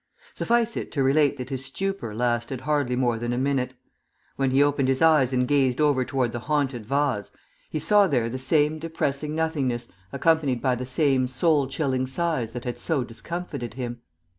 Suffice it to relate that his stupor lasted hardly more than a minute. When he opened his eyes and gazed over toward the haunted vase, he saw there the same depressing nothingness accompanied by the same soul chilling sighs that had so discomfited him.